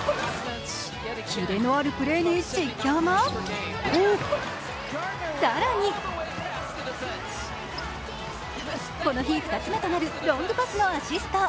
キレのあるプレーに実況も更にこの日２つ目となるロングパスのアシスト。